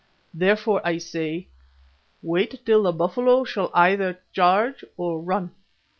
Therefore, I say, 'Wait till the buffalo shall either charge or run.